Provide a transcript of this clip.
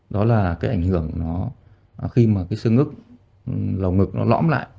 đó là cái ảnh hưởng khi mà cái xương ngực lõng ngực nó lõm lại